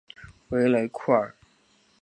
维雷库尔。